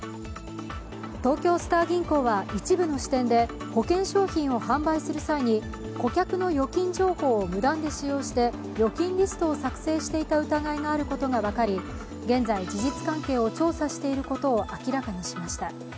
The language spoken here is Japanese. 東京スター銀行は一部の支店で保険商品を販売する際に、顧客の預金情報を無断で使用して預金リストを作成していた疑いがあることが分かり、現在、事実関係を調査していることを明らかにしました。